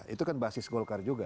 itu kan basis golkar juga